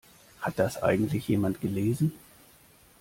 Hat das eigentlich jemand gelesen?